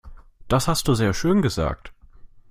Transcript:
Das hast du sehr schön gesagt.